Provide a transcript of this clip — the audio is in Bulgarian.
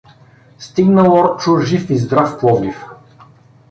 Стигнал Орчо жив и здрав в Пловдив.